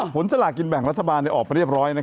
สลากินแบ่งรัฐบาลออกไปเรียบร้อย